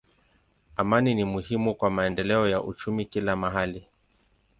Amani ni muhimu kwa maendeleo ya uchumi kila mahali.